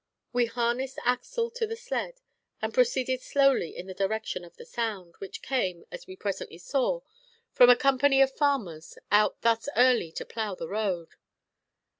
We harnessed Axel to the sled, and proceeded slowly in the direction of the sound, which came, as we presently saw, from a company of farmers, out thus early to plough the road.